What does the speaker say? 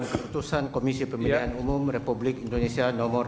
keputusan komisi pemilihan umum republik indonesia nomor tiga ratus enam puluh